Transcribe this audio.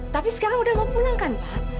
tapi sekarang udah mau pulang kan pak